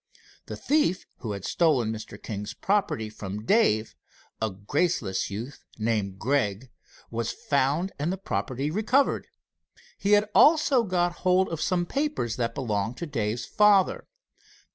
The thief who had stolen Mr. King's property from Dave, a graceless youth named Gregg, was found, and the property recovered. He had also got hold of some papers that belonged to Dave's father.